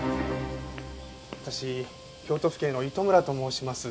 私京都府警の糸村と申します。